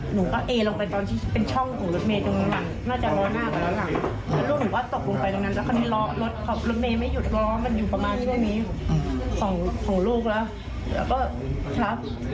หนูว่าคงไม่เขียนหลักล้มเอ็ดลงไปลุงก็ลุงไปแบบนี้ค่ะ